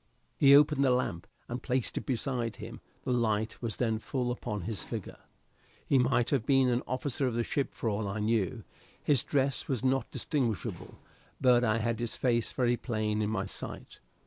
He opened the lamp and placed it beside him; the light was then full upon his figure. He might have been an officer of the ship for all I knew. His dress was not distinguishable, but I had his face very plain in my sight.